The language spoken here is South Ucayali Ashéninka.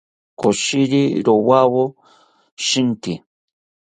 Koshiri rowawo shintzi